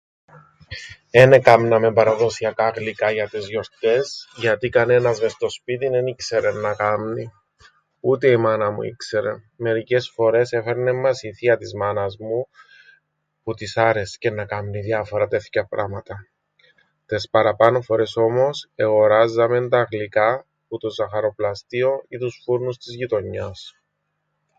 Εν εκάμναμεν παραδοσιακά γλυκά για τες γιορτές γιατί κανένας μες στο σπίτιν εν ήξερεν να κάμνει. Ούτε η μάνα μου ήξερεν. Μερικές φορές έφερνεν μας η θεία της μάνας μου που της άρεσκεν να κάμνει διάφορα τέθκοια πράματα. Τες παραπάνω φορές όμως εγοράζαμεν τα γλυκά που το ζαχαροπλαστείον ή τους φούρνους της γειτονιάς.